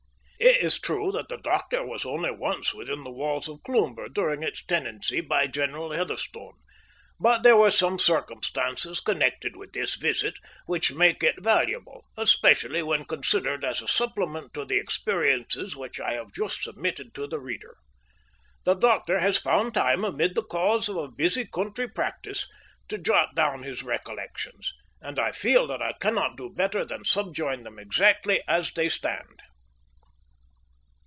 It is true that the doctor was only once within the walls of Cloomber during its tenancy by General Heatherstone, but there were some circumstances connected with this visit which made it valuable, especially when considered as a supplement to the experiences which I have just submitted to the reader. The doctor has found time amid the calls of a busy country practice to jot down his recollections, and I feel that I cannot do better than subjoin them exactly as they stand.